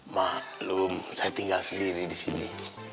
maklum saya tinggal sendiri disini